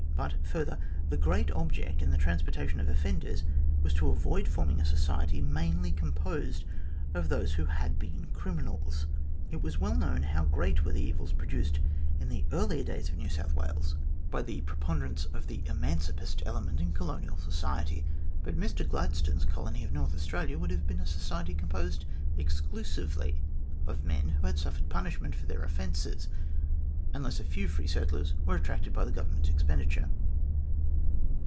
But, further, the great object in the transportation of offenders was to avoid forming a society mainly composed of those who had been criminals. It was well known how great were the evils produced in the earlier days of New THE VETO OF EARL GREY 55 South Wales by the preponderance of the " emancipist" element in colonial society, but Mr Gladstone's colony of North Australia would have been a society composed exclusively of men who had suffered punishment for their offences, unless a few free settlers were attracted by the Government expenditure.